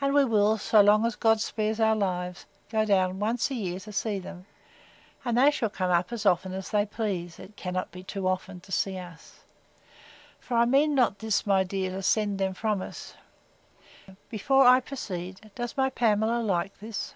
And we will, so long as God spares our lives, go down, once a year, to see them; and they shall come up, as often as they please, it cannot be too often, to see us: for I mean not this, my dear, to send them from us.—Before I proceed, does my Pamela like this?